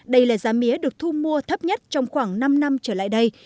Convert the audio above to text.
đây là giá mía được thu mua thấp nhất trong khoảng năm năm trở lại đây